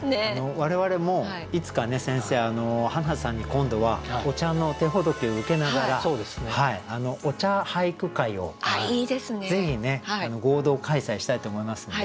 我々もいつかね先生はなさんに今度はお茶の手ほどきを受けながらお茶俳句会をぜひね合同開催したいと思いますんで。